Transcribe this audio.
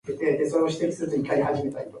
They may as well be working on a cruise liner.